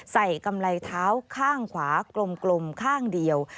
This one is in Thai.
กำไรเท้าข้างขวากลมข้างเดียว